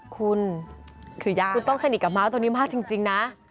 คุณคือยากคุณต้องสนิทกับม้าตัวนี้มากจริงนะ